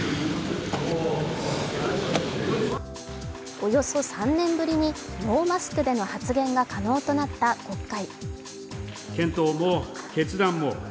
およそ３年ぶりにノーマスクでの発言が可能となった国会。